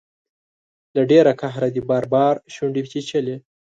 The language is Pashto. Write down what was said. له ډیر قهره دې بار بار شونډې چیچلي